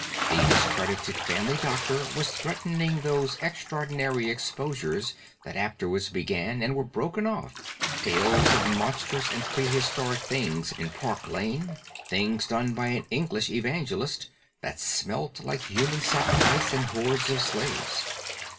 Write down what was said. The discredited family doctor was threatening those extraordinary exposures that afterwards began and were broken off; tales of monstrous and prehistoric things in Park Lane; things done by an English Evangelist that smelt like human sacrifice and hordes of slaves.